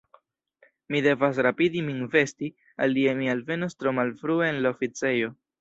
Mi devas rapidi min vesti, alie mi alvenos tro malfrue en la oficejo.